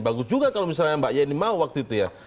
bagus juga kalau misalnya mbak yeni mau waktu itu ya